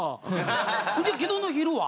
じゃあ昨日の昼は？